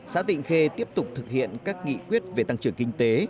xã tịnh khê tiếp tục thực hiện các nghị quyết về tăng trưởng kinh tế